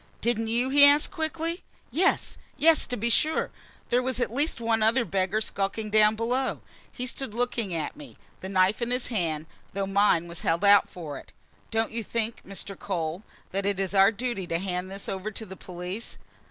"Didn't you?" he asked quickly. "Yes, yes, to be sure! There was at least one other beggar skulking down below." He stood looking at me, the knife in his hand, though mine was held out for it. "Don't you think, Mr. Cole, that it's our duty to hand this over to the police?